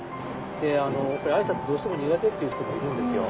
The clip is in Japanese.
あいさつどうしても苦手っていう人もいるんですよ。